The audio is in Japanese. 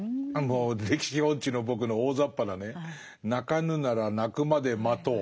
歴史音痴の僕の大ざっぱなね「鳴かぬなら鳴くまで待とう」。